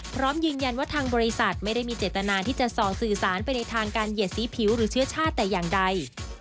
พร้อมยืนยันว่าทางบริษัทไม่ได้มีเจตนาที่จะส่อสื่อสารไปในทางการเหยียดสีผิวหรือเชื้อชาติแต่อย่างใด